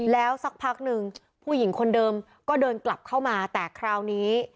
แล้วสักพักหนึ่งผู้หญิงคนเดิมก็เดินกลับเข้ามาแต่คราวนี้